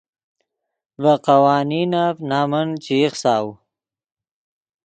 ڤے قوانینف نمن چے ایخساؤ